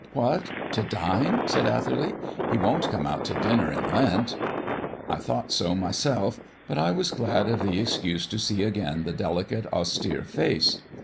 "What! To dine?" said Atherley. "He won't come out to dinner in Lent." I thought so myself, but I was glad of the excuse to see again the delicate, austere face.